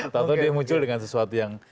contoh dia muncul dengan sesuatu yang